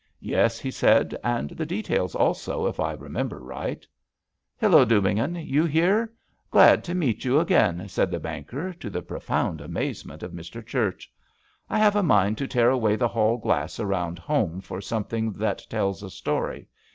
"Yes," he said, "and the details, also, if I remember right." "Hello, Dubignon, you here? Glad to meet you again," said the banker, to the profound amazement of Mr. Church. "I have a mind to tear a^^ay the hali glass around home for something that tells a story.